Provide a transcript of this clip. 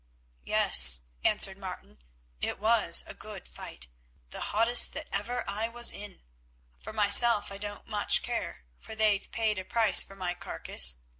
"Yes," answered Martin, "it was a good fight—the hottest that ever I was in. For myself I don't much care, for they've paid a price for my carcase.